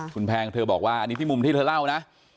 คุณแพงเธอบอกว่าอันนี้ที่มุมที่เธอเล่านะ